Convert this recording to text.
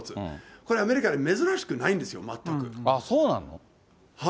これはアメリカで珍しくないんですよ、そうなの？